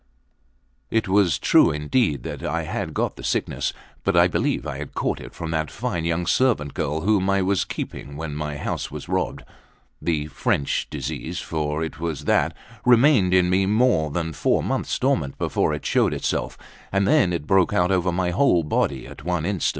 LIX IT was true indeed that I had got the sickness; but I believe I caught it from that fine young servant girl whom I was keeping when my house was robbed. The French disease, for it was that, remained in me more than four months dormant before it showed itself, and then it broke out over my whole body at one instant.